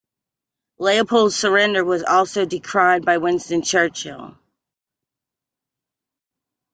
Leopold's surrender was also decried by Winston Churchill.